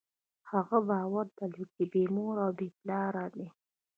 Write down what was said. هغه باور درلود، چې بېمور او بېپلاره دی.